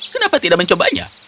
kenapa tidak mencobanya